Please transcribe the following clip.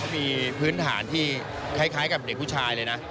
มีพื้นฐานที่คล้ายกับเด็กผู้ชายเลยนะ